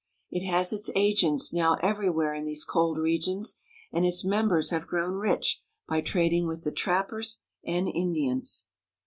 It has its agents now every where in these cold regions, and its members have grown rich by trading with the trappers and Indians.